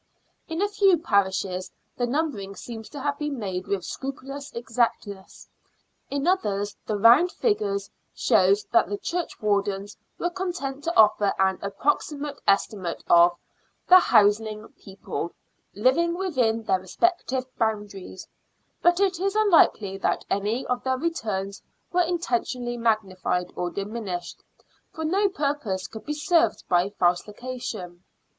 In a few parishes the numbering seems to have been made with scrupulous exactness. In others the round figures show that the churchwardens were content to offer an approximate estimate of " the houseling people" living within their respective boundaries ; but it is unlikely that any of the returns were intentionally magnified or diminished, for no purpose could be served by falsification.